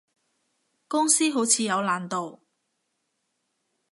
公司好似有難度